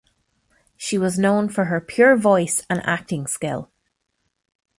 She was known for her pure voice and acting skill.